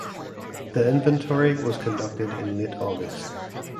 The inventory was conducted in late August.